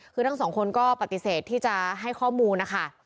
คือทั้งสองคนก็ปฏิเสธที่จะให้ข้อมูลนะคะ